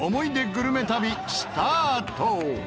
グルメ旅スタート！